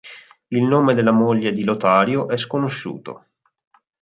Il nome della moglie di Lotario è sconosciuto.